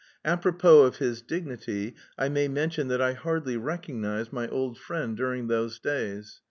Apropos of his dignity, I may mention that I hardly recognised my old friend during those days.